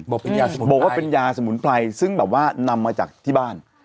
บอกว่าเป็นยาสมุนไพรบอกว่าเป็นยาสมุนไพรซึ่งแบบว่านำมาจากที่บ้าน